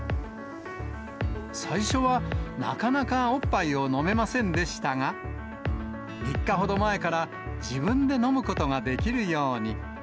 最初はなかなかおっぱいを飲めませんでしたが、３日ほど前から自分で飲むことができるように。